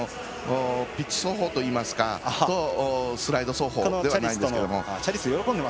ピッチ走法といいますかストライド走法ではないんですが。